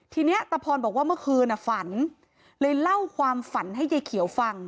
ทีนี้ตะพรบอกว่าเมื่อคืนฝันเลยเล่าความฝันให้ยายเขียวฟัง